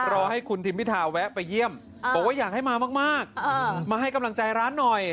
รอให้คุณทิมพิธาแวะไปเยี่ยมบอกว่าอยากให้มามากมาให้กำลังใจร้านหน่อย